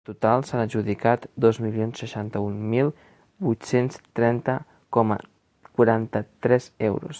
En total, s’han adjudicat dos milions seixanta-un mil vuit-cents tres coma quaranta-tres euros.